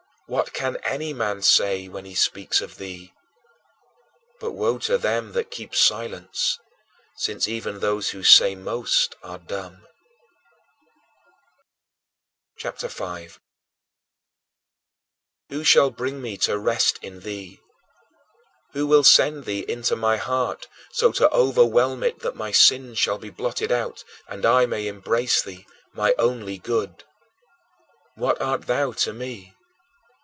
What can any man say when he speaks of thee? But woe to them that keep silence since even those who say most are dumb. CHAPTER V 5. Who shall bring me to rest in thee? Who will send thee into my heart so to overwhelm it that my sins shall be blotted out and I may embrace thee, my only good? What art thou to me?